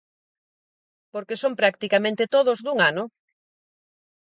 Porque son practicamente todos dun ano.